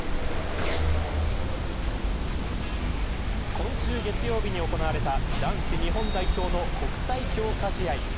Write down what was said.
今週月曜日に行われた男子日本代表の国際強化試合。